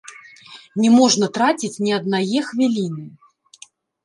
Не можна траціць ні аднае хвіліны.